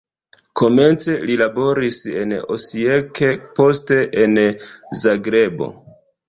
Komence li laboris en Osijek, poste en Zagrebo.